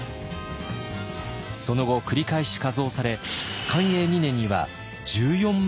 その後繰り返し加増され寛永２年には１４万２，０００石に。